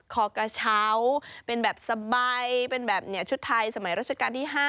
ขอกระเช้าเป็นแบบสบายเป็นแบบนี้ชุดไทยสมัยราชการที่๕